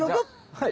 はい！